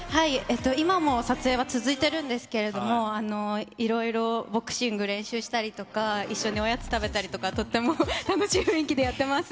今も撮影は続いているんですけれども、いろいろ、ボクシング練習したりとか、一緒におやつ食べたりとか、とっても楽しい雰囲気でやってます。